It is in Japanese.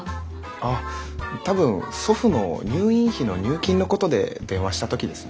あっ多分祖父の入院費の入金のことで電話した時ですね。